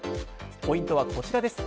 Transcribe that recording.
ポイントはこちらです。